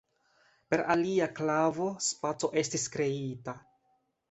Per alia klavo spaco estis kreita.